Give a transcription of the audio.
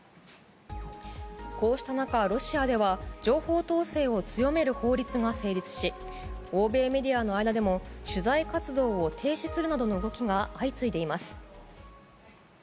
こうした中、ロシアでは情報統制を強める法律が成立し欧米メディアの間でも取材活動を停止するなどの動きが相次いでいます。